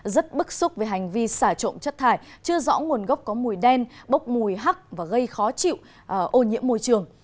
rất bức xúc về hành vi xả trộm chất thải chưa rõ nguồn gốc có mùi đen bốc mùi hắc và gây khó chịu ô nhiễm môi trường